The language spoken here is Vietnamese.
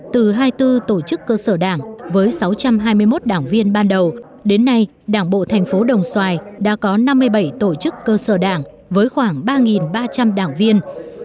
từ hai mươi bốn tổ chức cơ sở đảng với sáu trăm hai mươi một đảng viên ban đầu đến nay đảng bộ thành phố đồng xoài đã có năm mươi bảy tổ chức cơ sở đảng với khoảng ba ba trăm linh đảng viên